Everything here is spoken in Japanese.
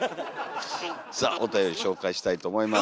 さあおたより紹介したいと思います。